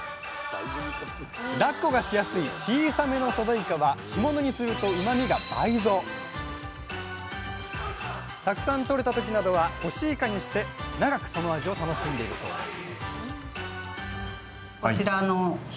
だっこがしやすい小さめのソデイカは干物にするとたくさん取れた時などは干しイカにして長くその味を楽しんでいるそうです